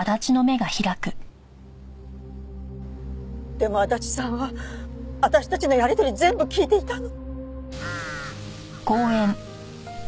でも足立さんは私たちのやり取り全部聞いていたの。